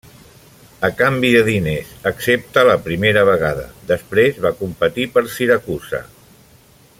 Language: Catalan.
A canvi de diners, excepte la primera vegada, després va competir per Siracusa.